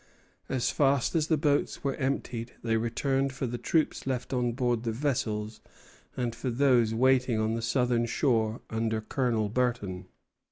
As fast as the boats were emptied they returned for the troops left on board the vessels and for those waiting on the southern shore under Colonel Burton.